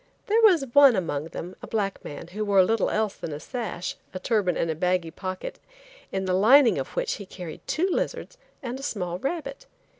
There was one among them, a black man, who wore little else than a sash, a turban and a baggy pocket, in the lining of which he carried two lizards and a small rabbit.